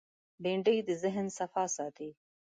بېنډۍ د ذهن صفا ساتي